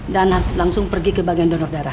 dan langsung pergi ke bagian donor darah